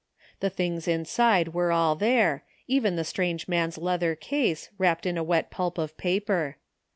The things inside were all there, even the strange man's leather case, wrapped in a wet pulp of paper.